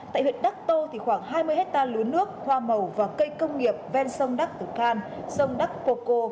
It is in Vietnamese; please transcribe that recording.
tại huyện đắc tô thì khoảng hai mươi hectare lúa nước hoa màu và cây công nghiệp ven sông đắc tử khan sông đắc pô cô